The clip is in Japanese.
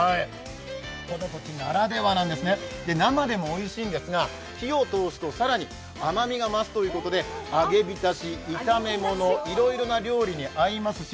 この地ならではなんですね生でもおいしいんですが、火を通すと更に甘みが増すということで揚げ浸し、炒め物いろいろな料理に合いますし」